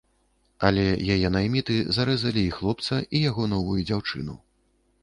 Але яе найміты зарэзалі і хлопца, і яго новую дзяўчыну.